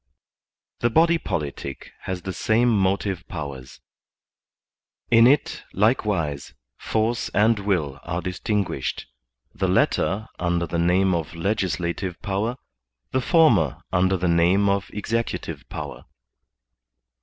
The body politic has the same motive powers; in it, likewise, force and will are distinguished, the latter under the name of legislative power, the former under the name of EXECUTIVE POWER.